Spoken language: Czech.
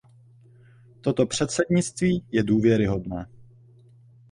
Toto předsednictví je důvěryhodné.